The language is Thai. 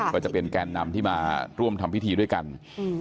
ก็จะเป็นแกนนำที่มาร่วมทำพิธีด้วยกันอืม